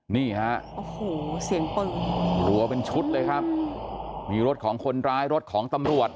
นี่ฮะโอ้โหเสียงปืนรัวเป็นชุดเลยครับมีรถของคนร้ายรถของตำรวจ